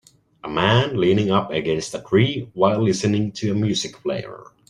A man leaning up against a tree while listening to a music player